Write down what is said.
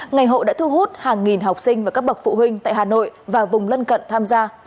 ngày hội đã thu hút hàng nghìn học sinh và các bậc phụ huynh tại hà nội và vùng lân cận tham gia